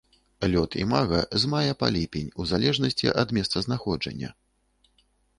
Лёт імага з мая па ліпень у залежнасці ад месцазнаходжання.